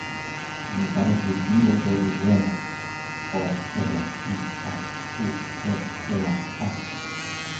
El meu pare es diu Milos Orihuela: o, erra, i, hac, u, e, ela, a.